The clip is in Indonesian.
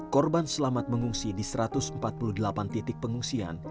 korban selamat mengungsi di satu ratus empat puluh delapan titik pengungsian